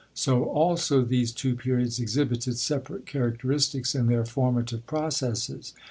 So also these two periods ex hibited separate characteristics in their formative processes.